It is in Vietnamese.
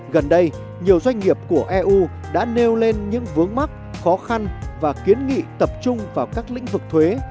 gần đây nhiều doanh nghiệp của eu đã nêu lên những vướng mắc khó khăn và kiến nghị tập trung vào các lĩnh vực thuế